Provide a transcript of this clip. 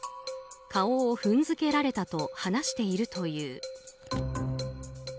顔を踏んづけられたと話しているという。